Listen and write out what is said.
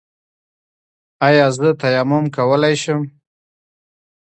ایا زه تیمم کولی شم؟